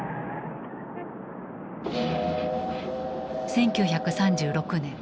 １９３６年。